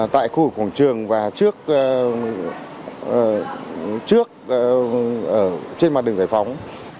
tại khu vực quảng trường và trước trên mặt đường giải phóng